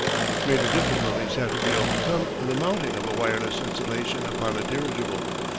Greater difficulties have to be overcome in the mounting of a wireless installation upon a dirigible.